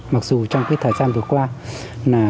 mặc dù trong thời gian vừa qua là dịch bệnh covid nó cũng kéo dài